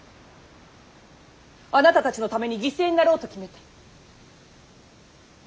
あなたたちのために犠牲になろうと決めた。